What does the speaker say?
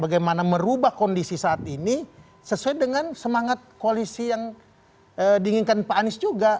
bagaimana merubah kondisi saat ini sesuai dengan semangat koalisi yang diinginkan pak anies juga